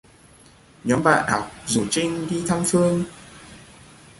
Nhóm bạn học dù Trinh đi thăm Phương